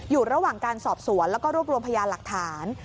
อยู่ระหว่างการสอบสวนแล้วก็รวบรวมพยานหลักฐาน